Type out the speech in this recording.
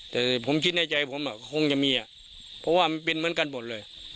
แต่ผมคิดในใจผมคงจะมีเพราะว่ามันเป็นเหมือนกันหมดเลย